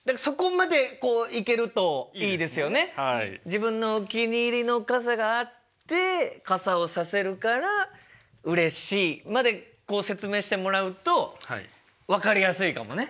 自分のお気に入りの傘があって傘をさせるからうれしいまでこう説明してもらうと分かりやすいかもね。